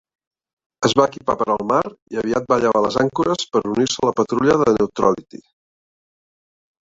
Es va equipar per al mar i aviat va llevar les àncores per unir-se a la patrulla Neutrality.